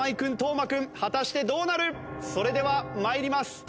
それでは参ります。